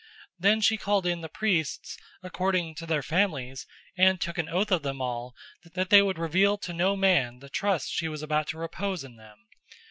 Then she called in the priests according to their families and took an oath of them all that they would reveal to no man the trust she was about to repose in them.